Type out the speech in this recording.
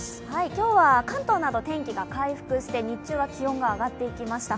今日は関東など天気が回復して、日中は気温が上がっていきました。